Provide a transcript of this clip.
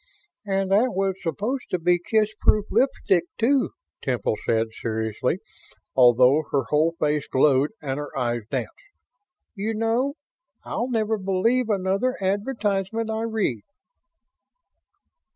"And that was supposed to be kissproof lipstick, too," Temple said, seriously although her whole face glowed and her eyes danced. "You know, I'll never believe another advertisement I read."